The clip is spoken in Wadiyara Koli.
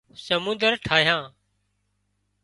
سمنۮر ٺاهيان